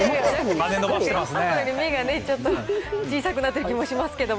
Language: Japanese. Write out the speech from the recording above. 目がね、ちょっと小さくなった気もしますけど。